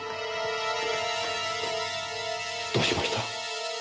どうしました？